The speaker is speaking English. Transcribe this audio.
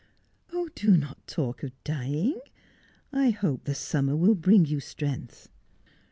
' Do not talk of dying. I hope the summer will bring you strength.'